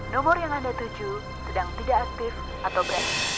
nomor yang anda tujuh sedang tidak aktif atau break